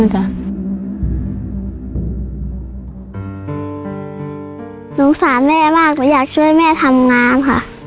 หนูสัญแม่มากอยากช่วยแม่ทำงานค่ะ